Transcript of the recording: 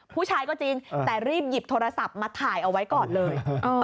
ผู้ชายก็จริงแต่รีบหยิบโทรศัพท์มาถ่ายเอาไว้ก่อนเลย